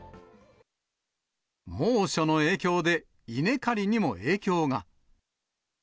猛暑の影響で稲刈りにも影響が。